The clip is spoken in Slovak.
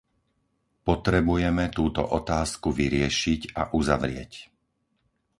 Potrebujeme túto otázku vyriešiť a uzavrieť.